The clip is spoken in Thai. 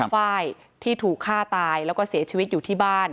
ไฟล์ที่ถูกฆ่าตายแล้วก็เสียชีวิตอยู่ที่บ้าน